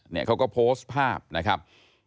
เนี่ยเขาก็โพสต์ภาพนะครับ